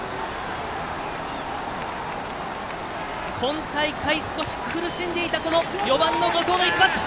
今大会、少し苦しんでいた４番の後藤の一発。